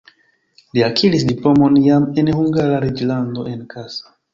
Li akiris diplomon jam en Hungara reĝlando en Kassa.